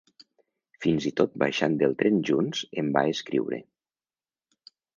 Fins i tot baixant del tren junts em va escriure.